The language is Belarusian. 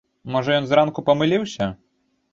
Можа, ён зранку памыліўся?